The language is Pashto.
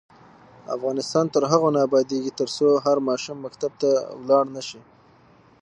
افغانستان تر هغو نه ابادیږي، ترڅو هر ماشوم مکتب ته لاړ نشي.